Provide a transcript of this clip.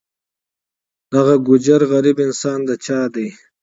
دغه ګوجر غریب انسان د چا دی.